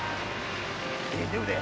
大丈夫だ。